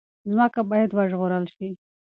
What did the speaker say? ځمکه باید وژغورل شي.